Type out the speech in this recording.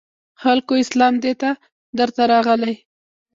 خلکو اسلام دی درته راغلی